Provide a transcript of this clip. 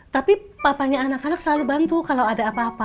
tapi papanya anak anak selalu bantu kalau ada apa apa